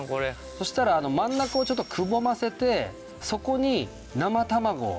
そしたら真ん中をちょっとくぼませてそこに生卵を。